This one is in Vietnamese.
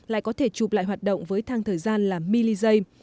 lại có thể chụp lại hoạt động với thang thời gian là mili giây